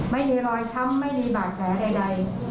ไม่มีรอยช้ำไม่มีบาดแผลใด